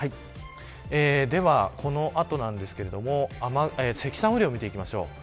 では、この後なんですが積算雨量を見ていきましょう。